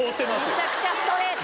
めちゃくちゃストレート。